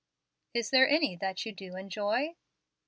"Is there any that you do enjoy?"